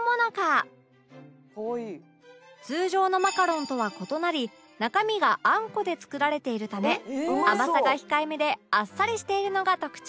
「可愛い」通常のマカロンとは異なり中身があんこで作られているため甘さが控えめであっさりしているのが特徴